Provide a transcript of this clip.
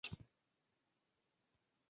Tvoří ho pět obcí a část města Sens.